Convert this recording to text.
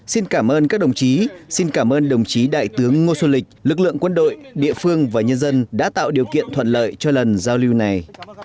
xin cảm ơn các đồng chí xin cảm ơn đồng chí đại tướng ngô xuân lịch lực lượng quân đội địa phương và nhân dân đã tạo điều kiện thuận lợi cho lần giao lưu này